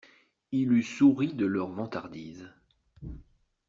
Il eût souri de leurs ventardises.